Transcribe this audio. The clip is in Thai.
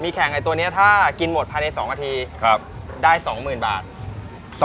แข่งไอ้ตัวนี้ถ้ากินหมดภายใน๒นาทีได้๒๐๐๐บาท